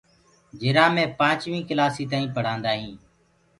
جِرا مي پانچوين ڪلاسي تائينٚ پڙهاندآ هينٚ